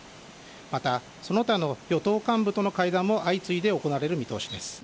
また、その他の与党幹部との会談も相次いで行われる見通しです。